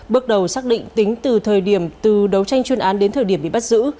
bước đầu xác định tính từ thời điểm từ đấu tranh chuyên án đến thời điểm bị bắt giữ